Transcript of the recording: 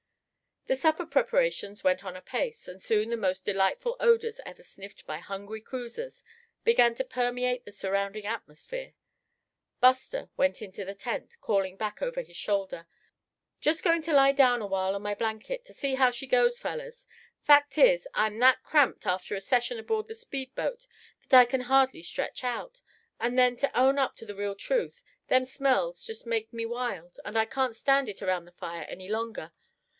The supper preparations went on apace, and soon the most delightful odors ever sniffed by hungry cruisers began to permeate the surrounding atmosphere. Buster went into the tent, calling back over his shoulder: "Just going to lie down a while on my blanket, to see how she goes, fellers. Fact is, I'm that cramped after a session aboard the speed boat that I c'n hardly stretch out. And then, to own up to the real truth, them smells make me just wild, and I can't stand it around the fire any longer.